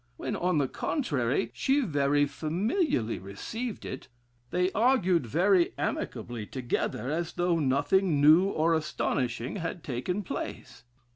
When, on the contrary, she very familiarly received it; they argued very amicably together, as though nothing new or astonishing had taken place.